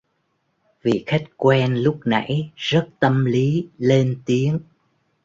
Vị Khách quen lúc nãy rất tâm lý lên tiếng